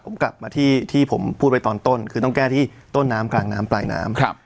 ผมกลับมาที่ที่ผมพูดไว้ตอนต้นคือต้องแก้ที่ต้นน้ำกลางน้ำปลายน้ำ